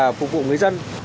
giúp đỡ và ủng hộ người dân